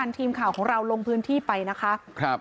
แล้วทีมข่าวของเราลงพื้นที่ไปนะคะครับ